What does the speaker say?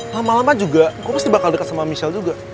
lama lama juga aku pasti bakal dekat sama michelle juga